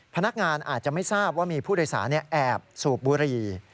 พนักงานอาจจะไม่ทราบว่ามีผู้โดยสารแอบสูบบุหรี่